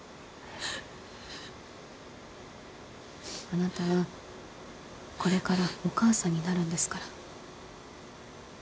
あなたはこれからお母さんになるんですから。